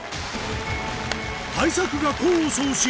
対策が功を奏し